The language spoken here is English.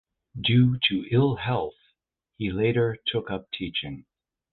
Due to ill health he later took up teaching.